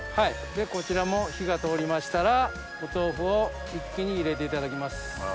こちらも火が通りましたらお豆腐を一気に入れていただきます。